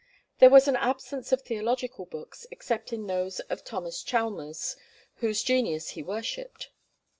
There was an absence of theological books, excepting those of Thomas Chalmers, whose genius he worshipped.